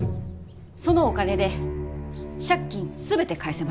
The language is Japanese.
そのお金で借金全て返せます。